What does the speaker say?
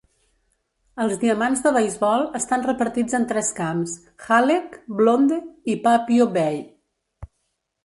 Els diamants de beisbol estan repartits en tres camps: Halleck, Blonde i Papio Bay.